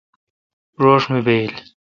روݭ می بایل۔